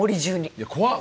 いや怖っ！